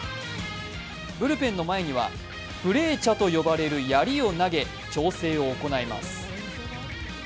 ブルペンの前にはフレーチャと呼ばれるやりを投げ調整を行います。